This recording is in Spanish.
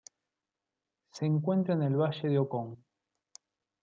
Se encuentra en el Valle de Ocón.